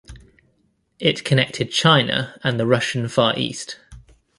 It connected China and the Russian Far East.